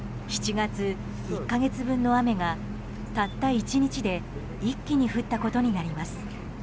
７月、１月分の雨がたった１日で一気に降ったことになります。